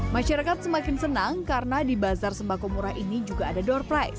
masyarakat semakin senang karena di bazar sembako murah ini juga ada door price